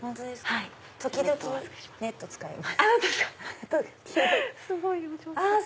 時々ネット使います。